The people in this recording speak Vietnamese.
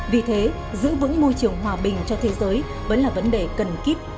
vì thế giữ vững môi trường hòa bình cho thế giới vẫn là vấn đề cần kíp